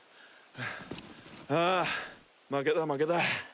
あ負けだ負けだ。